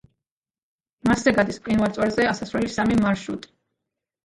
მასზე გადის მყინვარწვერზე ასასვლელი სამი მარშრუტი.